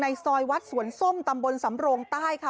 ซอยวัดสวนส้มตำบลสำโรงใต้ค่ะ